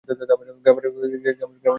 গ্রামের লোক সঠিক খবর রাখে না।